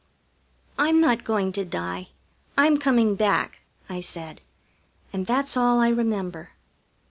"I'm not going to die, I'm coming back," I said, and that's all I remember.